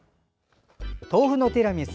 豆腐のティラミス